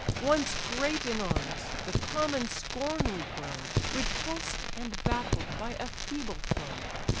Once great in arms, the common scorn we grow, Repulsed and baffled by a feeble foe.